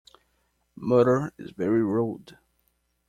Murder is very rude.